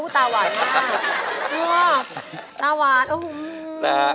ตาหวานมากตาหวาน